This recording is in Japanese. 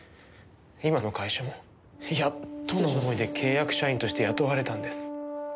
今の会社もやっとの思いで契約社員として雇われたんです。